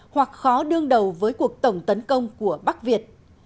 hoặc khó đương đầu với cuộc tổng tấn công của bắc việt